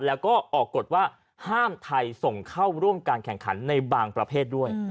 แล้วก็ออกกฎว่าห้ามไทยส่งเข้าร่วมการแข่งขันในบางประเภทด้วย